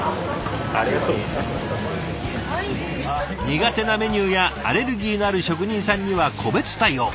苦手なメニューやアレルギーのある職人さんには個別対応。